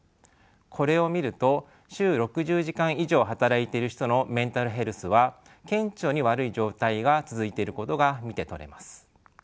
これを見ると週６０時間以上働いてる人のメンタルヘルスは顕著に悪い状態が続いていることが見て取れます。